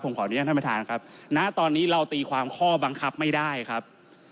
ขออนุญาตท่านประธานครับณตอนนี้เราตีความข้อบังคับไม่ได้ครับ